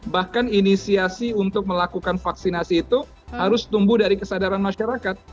bahkan inisiasi untuk melakukan vaksinasi itu harus tumbuh dari kesadaran masyarakat